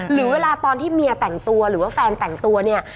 หรือเวลาตอนที่เมียแต่งตัวหรือว่าแฟนแต่งตัวเนี่ย